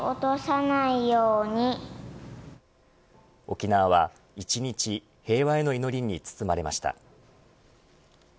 沖縄は一日平和への祈りに包まれました。